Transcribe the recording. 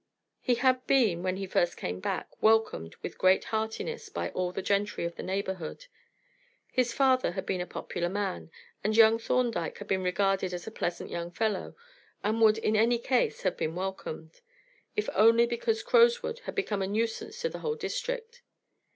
He had been, when he first came back, welcomed with great heartiness by all the gentry of the neighborhood; his father had been a popular man, and young Thorndyke had been regarded as a pleasant young fellow, and would in any case have been welcomed, if only because Crowswood had become a nuisance to the whole district.